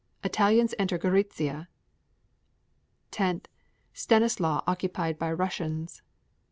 Italians enter Goritzia. 10. Stanislau occupied by Russians.